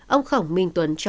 ông khổng minh tuấn